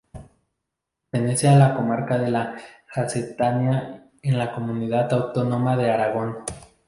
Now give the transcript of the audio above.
Pertenece a la comarca de la Jacetania, en la comunidad autónoma de Aragón.